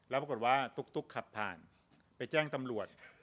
แล้วปรากฏว่าตุ๊กขับผ่านไปแจ้งตำรวจ